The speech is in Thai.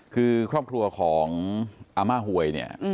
คือครอบครัวของอาม่าหวย